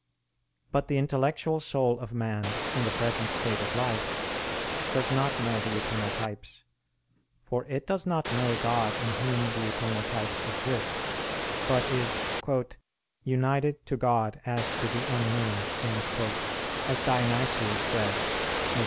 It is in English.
But the intellectual soul of man, in the present state of life, does not know the eternal types: for it does not know God in Whom the eternal types exist, but is "united to God as to the unknown," as Dionysius says (Myst.